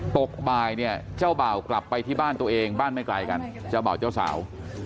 ตกบ่ายเนี่ยเจ้าบ่าวกลับไปที่บ้านตัวเองบ้านไม่ไกลกันเจ้าบ่าวเจ้าสาว